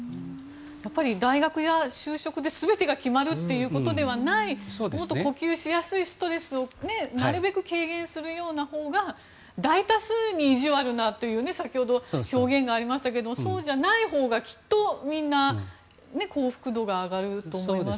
やっぱり大学や就職で全てが決まるということではないもっと呼吸しやすいストレスをなるべく軽減するようなほうが大多数に意地悪なという先ほど、表現がありましたがそうじゃないほうがきっとみんな幸福度が上がると思いますね。